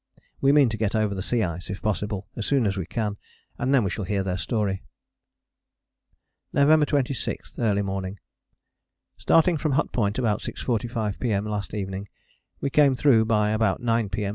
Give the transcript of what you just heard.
We mean to get over the sea ice, if possible, as soon as we can, and then we shall hear their story. November 26. Early morning. Starting from Hut Point about 6.45 P.M. last evening, we came through by about 9 P.M.